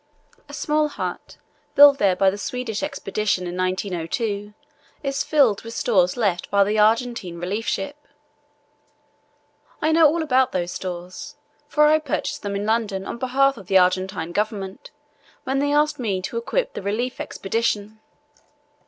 A small hut built there by the Swedish expedition in 1902 is filled with stores left by the Argentine relief ship. I know all about those stores, for I purchased them in London on behalf of the Argentine Government when they asked me to equip the relief expedition.